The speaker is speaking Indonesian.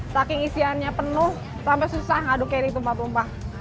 saking isiannya penuh sampai susah ngaduk kayak gitu mbak bomba